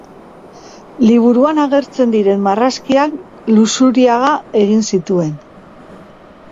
Liburuan agertzen diren marrazkiak Luzuriaga egin zituen.